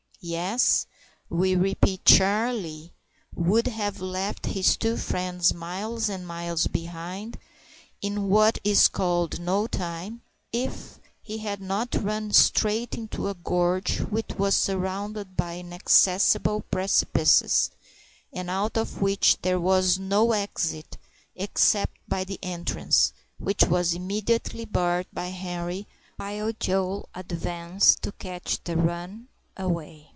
Yes, we repeat Charlie would have left his two friends miles and miles behind in what is called "no time," if he had not run straight into a gorge which was surrounded by inaccessible precipices, and out of which there was no exit except by the entrance, which was immediately barred by Henri, while Joe advanced to catch the run away.